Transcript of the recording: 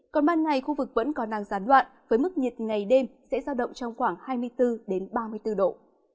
còn ban ngày khu vực vẫn có năng gián đoạn với mức nhiệt ngày đêm sẽ giao động trong khoảng hai mươi bốn ba mươi bốn độ